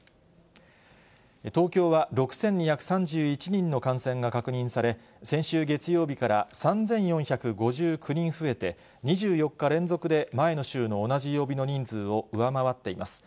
東京は６２３１人の感染が確認され、先週月曜日から３４５９人増えて、２４日連続で前の週の同じ曜日の人数を上回っています。